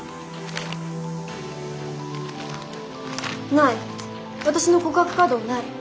ない私の告白カードがない。